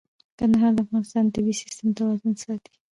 کندهار د افغانستان د طبعي سیسټم توازن ساتي.